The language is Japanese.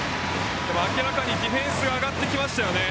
明らかにディフェンスが上がってきましたよね。